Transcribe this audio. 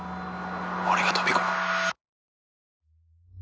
俺が飛び込む。